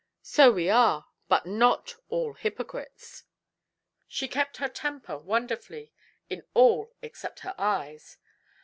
"So we are; but not all hypocrites." She kept her temper wonderfully, in all except her eyes.